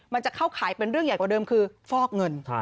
มันจะเข้าขายเป็นเรื่องใหญ่กว่าเดิมคือฟอกเงิน